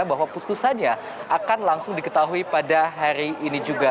bahwa putusannya akan langsung diketahui pada hari ini juga